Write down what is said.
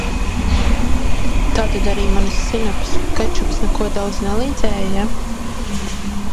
Tātad arī manas sinepes un kečups neko daudz nelīdzēja, ja?